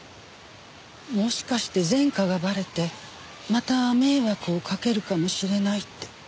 もしかして前科がバレてまた迷惑をかけるかもしれないって。